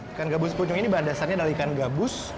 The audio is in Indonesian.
ikan gabus pucung ini pada dasarnya adalah ikan gabus